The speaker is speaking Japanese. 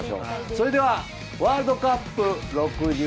それでは「ワールドカップ６４」！